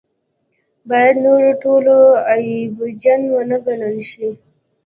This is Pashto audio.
باید د نورو ټول عیبجن ونه ګڼل شي.